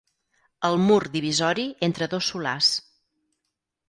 El mur divisori entre dos solars.